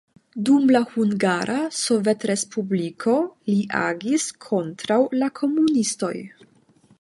Dum la Hungara Sovetrespubliko li agis kontraŭ la komunistoj.